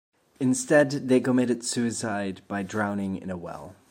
Instead they committed suicide by drowning in a well.